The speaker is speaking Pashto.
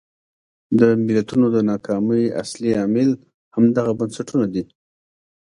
د ملتونو د ناکامۍ اصلي عامل همدغه بنسټونه دي.